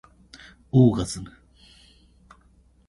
オーガズム